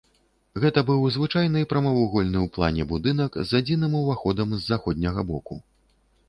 Гэта быў звычайны прамавугольны ў плане будынак з адзіным уваходам з заходняга боку.